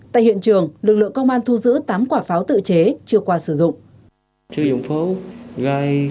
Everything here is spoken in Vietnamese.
tại hiện trường lực lượng công an thu giữ tám quả pháo tự chế chưa qua sử dụng